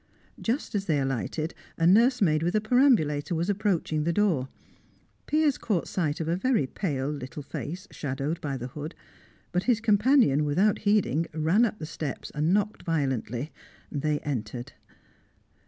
Just as they alighted, a nursemaid with a perambulator was approaching the door; Piers caught sight of a very pale little face shadowed by the hood, but his companion, without heeding, ran up the steps, and knocked violently. They entered.